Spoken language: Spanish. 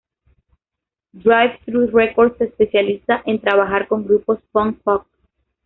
Drive-Thru Records se especializa en trabajar con grupos punk pop.